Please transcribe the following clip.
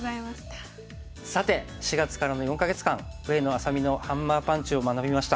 さて４月からの４か月間上野愛咲美のハンマーパンチを学びました。